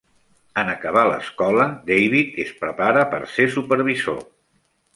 En acabar l'escola, David es prepara per ser supervisor.